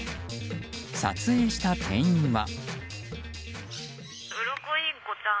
撮影した店員は。